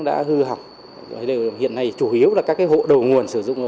đã hư hỏng hiện nay chủ yếu là các hộ đầu nguồn sử dụng